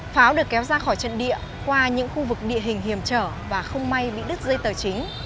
pháo được kéo ra khỏi trận địa qua những khu vực địa hình hiểm trở và không may bị đứt dây tờ chính